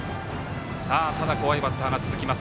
怖いバッターが続きます